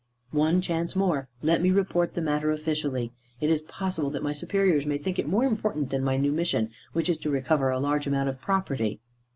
"One chance more. Let me report the matter officially. It is possible that my superiors may think it more important than my new mission, which is to recover a large amount of property."